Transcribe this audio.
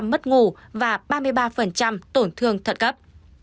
bốn mươi năm mất ngủ và ba mươi ba tổn thương thận cấp